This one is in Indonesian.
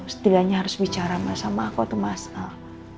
setidaknya harus bicara masalah aku tuh mas al